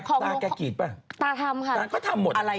ตาแกกีดป่ะ